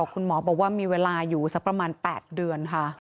คุณหมอบอกว่ามีเวลาอยู่สักประมาณ๘เดือนค่ะ